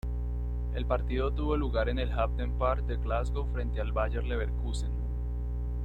El partido tuvo lugar en el Hampden Park de Glasgow frente al Bayer Leverkusen.